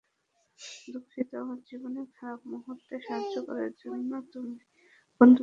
দুঃখিত, আমার জীবনের খারাপ মুহুর্তে সাহায্য করার জন্য, এখন তুমি বিপদে আছ।